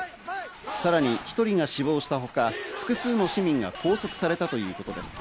さらに１人が死亡したほか、複数の市民が拘束されたということです。